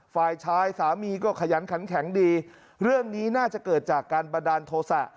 ฝ่ายชายสามีก็ขยันขันแข็งดีเรื่องนี้น่าจะเกิดจากการบันดาลโทษะ